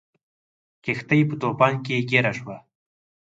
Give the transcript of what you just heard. کښتۍ په طوفان کې ګیره شوه.